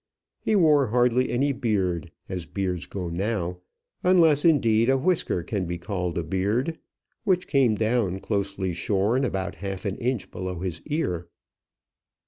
He wore hardly any beard, as beards go now, unless indeed a whisker can be called a beard, which came down, closely shorn, about half an inch below his ear.